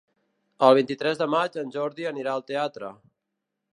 El vint-i-tres de maig en Jordi anirà al teatre.